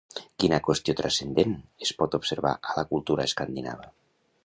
Quina qüestió transcendent es pot observar a la cultura escandinava?